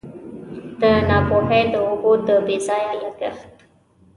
دا ناپوهي د اوبو د بې ځایه لګښت.